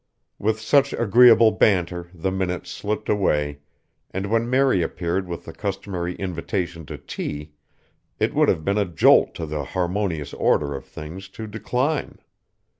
With such agreeable banter the minutes slipped away, and when Mary appeared with the customary invitation to tea, it would have been a jolt to the harmonious order of things to decline.